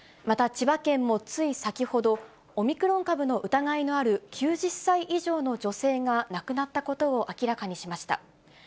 また、千葉県もつい先ほど、オミクロン株の疑いのある９０歳以上の女性が亡くなったことを明らかにしました。